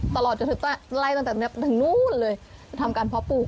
ตลอดจะไล่ตั้งนู้นเลยทำการเพาะปลูก